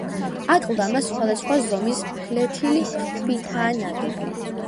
აკლდამა სხვადასხვა ზომის ფლეთილი ქვითაა ნაგები.